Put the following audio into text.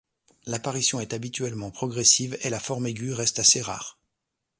L'apparition est habituellement progressive et la forme aiguë reste assez rare.